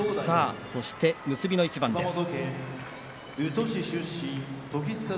そして結びの一番です。